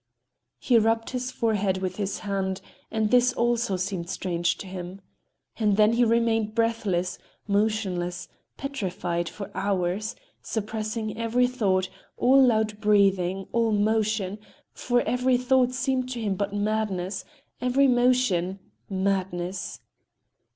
He rubbed his forehead with his hand, and this also seemed strange to him. And then he remained breathless, motionless, petrified for hours, suppressing every thought, all loud breathing, all motion,—for every thought seemed to him but madness, every motion—madness.